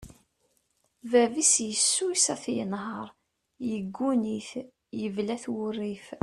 Bab-is yessuyes ad t-yenher, yegguni-t, yebla-t wurrif.